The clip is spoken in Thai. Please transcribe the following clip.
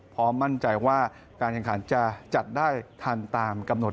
พร้อมมั่นใจว่าการแข่งขันจะจัดได้ทันตามกำหนด